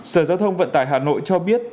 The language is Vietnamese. sở giao thông vận tải hà nội cho biết